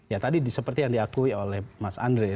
ya tadi seperti yang diakui oleh mas andre ya